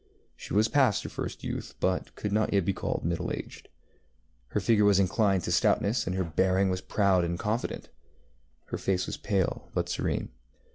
She was past her first youth, but could not yet be called middle aged. Her figure was inclined to stoutness, and her bearing was proud and confident. Her face was pale, but serene.